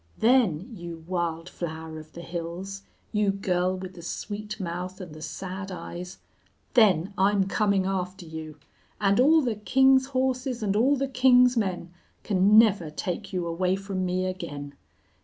Then, you wild flower of the hills, you girl with the sweet mouth and the sad eyes then I'm coming after you! And all the king's horses and all the king's men can never take you away from me again!